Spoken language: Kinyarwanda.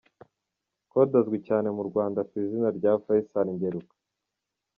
Kode azwi cyane mu Rwanda ku izina rya Faycal Ngeruka.